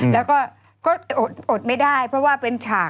แล้วก็อดไม่ได้เพราะว่าเป็นฉาก